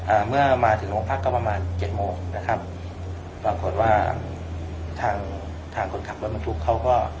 อ่าเมื่อมาถึงโรงพักก็ประมาณเจ็ดโมงนะครับปรากฏว่าทางทางคนขับรถบรรทุกเขาก็